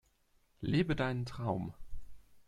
Lebe deinen Traum!